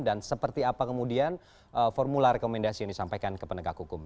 dan seperti apa kemudian formula rekomendasi yang disampaikan ke penegak hukum